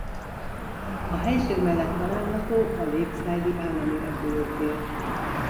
A helység mellett található a Lakeside-i állami repülőtér.